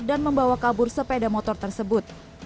dan membawa kabur sepeda motor tersebut